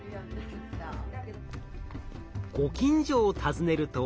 ご近所を訪ねると。